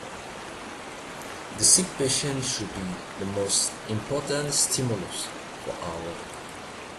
The sick patient should be the most important stimulus for our work.”